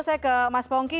saya ke mas pongki